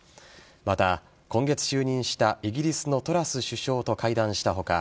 また、今月就任したイギリスのトラス首相と会談した他